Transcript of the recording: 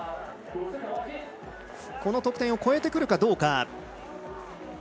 この得点を超えてくるかどうか。